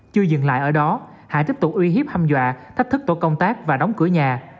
chưa dừng lại ở đó hải tiếp tục uy hiếp dâm dọa thách thức tổ công tác và đóng cửa nhà